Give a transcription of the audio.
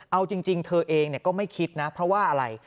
เอาจริงเธอเองก็ไม่คิดนะเพราะว่าอะไร